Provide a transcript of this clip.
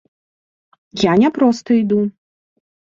Я не проста іду.